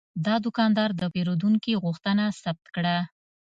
دا دوکاندار د پیرودونکي غوښتنه ثبت کړه.